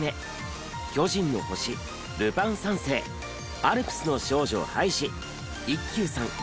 『巨人の星』『ルパン三世』『アルプスの少女ハイジ』『一休さん』。